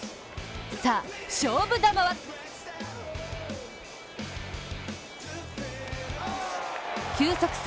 さあ、勝負球は球速差